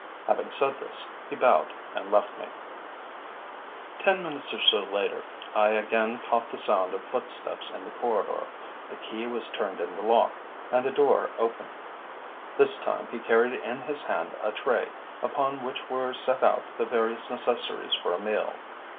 Having said this he bowed and left me. Ten minutes or so later I again caught the sound of footsteps in the corridor, the key was turned in the lock, and the door opened. This time he carried in his hand a tray, upon which were set out the various necessaries for a meal.